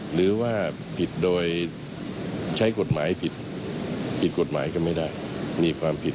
หรือว่าผิดโดยใช้กฎหมายผิดผิดกฎหมายก็ไม่ได้นี่ความผิด